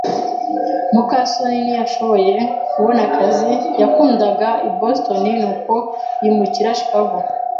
muka soni ntiyashoboye kubona akazi yakundaga i Boston, nuko yimukira i Chicago.